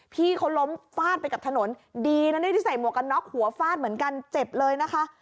พี่เขาล้มฟาดไปกับถนนดีนะเนี่ยที่ใส่หมวกกันน็อกหัวฟาดเหมือนกันเจ็บเลยนะคะ